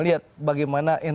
bahas lu jawa barat